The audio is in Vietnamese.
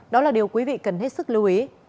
đó là điều quý vị cần hết sức lưu ý